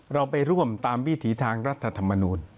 เราไปร่วมตามวิถีทางรัฐธรรมนูล